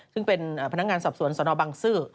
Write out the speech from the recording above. ซึ่งเป็นพนักงานสอบสวนสนบังซื้อ